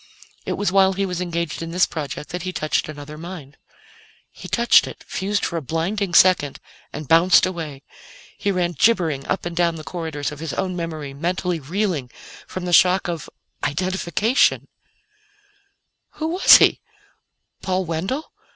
It was while he was engaged in this project that he touched another mind. He touched it, fused for a blinding second, and bounced away. He ran gibbering up and down the corridors of his own memory, mentally reeling from the shock of identification! Who was he? Paul Wendell?